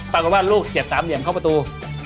ปรากฏว่าลูกเสียบสามเหลี่ยมเข้าประตู